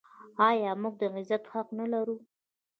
آیا موږ د عزت حق نلرو؟